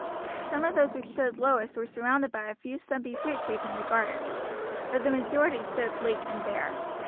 Some of those which stood lowest were surrounded by a few stumpy fruit trees in the gardens, but the majority stood bleak and bare.